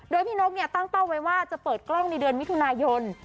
โดยพี่นกเนี่ยตั้งต้องไว้ว่าจะเปิดกล้องในเดือนวิถึนายน